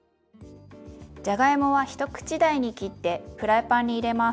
じゃがいもは一口大に切ってフライパンに入れます。